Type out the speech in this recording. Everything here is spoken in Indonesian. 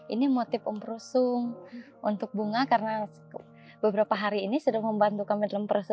ini motif umprusung untuk bunga karena beberapa hari ini sudah membantu kami dalam proses